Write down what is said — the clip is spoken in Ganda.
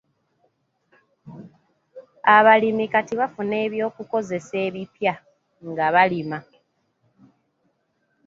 Abalimi kati bafuna eby'okukozesa ebipya nga balima.